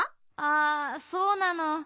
あそうなの。